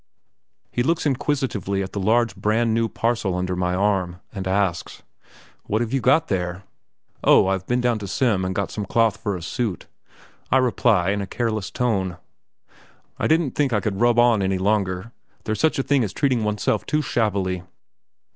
He looks inquisitively at the large brand new parcel under my arm, and asks: "What have you got there?" "Oh, I have been down to Semb and got some cloth for a suit," I reply, in a careless tone. "I didn't think I could rub on any longer; there's such a thing as treating oneself too shabbily."